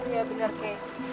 iya benar kay